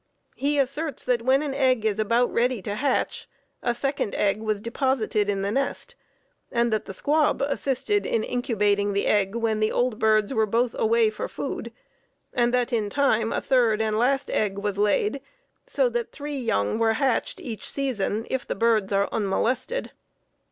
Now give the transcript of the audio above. He asserts that when an egg is about ready to hatch, a second egg was deposited in the nest, and that the squab assisted in incubating the egg when the old birds were both away for food, and that in time a third and last egg was laid, so that three young were hatched each season, if the birds are unmolested.